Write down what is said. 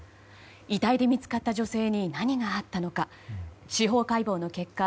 遺体で見つかった女性に何があったのか司法解剖の結果